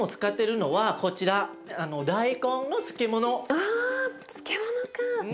あ漬物か。